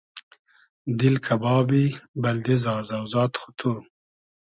دیل کئبابی بئلدې زازۆزاد خو تو